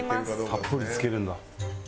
たっぷり付けるんだ。